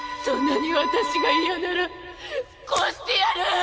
そんなに私が嫌ならこうしてやる！！